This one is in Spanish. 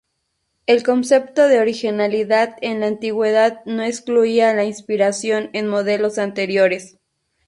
El concepto de originalidad en la antigüedad no excluía la inspiración en modelos anteriores.